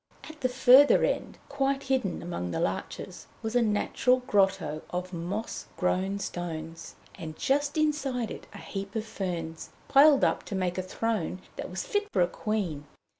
At the further end, quite hidden among the larches, was a natural grotto of moss grown stones, and just inside it a heap of ferns, piled up to make a throne that was fit for a queen.